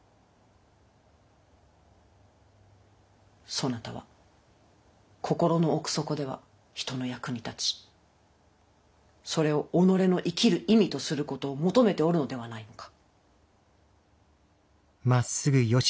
そなたは心の奥底では人の役に立ちそれを己の生きる意味とすることを求めておるのではないのか。